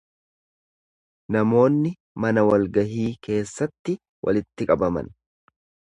Namoonni mana walgahii keessatti walitti qabaman.